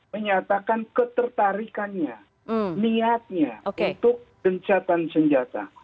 menyatakan ketertarikannya niatnya untuk gencatan senjata